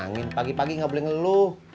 angin pagi pagi nggak boleh ngeluh